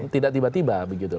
tidak tiba tiba begitu